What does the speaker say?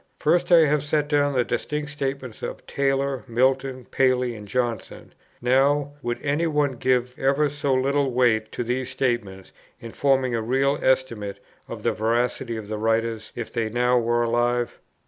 First, I have set down the distinct statements of Taylor, Milton, Paley, and Johnson: now, would any one give ever so little weight to these statements, in forming a real estimate of the veracity of the writers, if they now were alive?